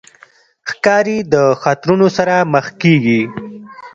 ښکاري د خطرونو سره مخ کېږي.